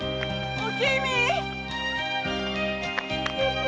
おきみ！